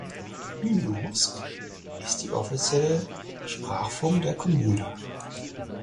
Nynorsk ist die offizielle Sprachform der Kommune.